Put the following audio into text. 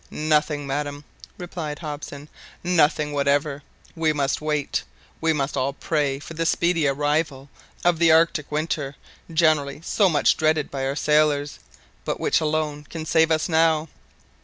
"Nothing, madam," replied Hobson; "nothing whatever. We must wait; we must all pray for the speedy arrival of the Arctic winter generally so much dreaded by sailors, but which alone can save us now.